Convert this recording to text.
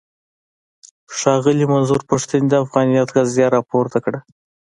ښاغلي منظور پښتين د افغانيت قضيه راپورته کړه.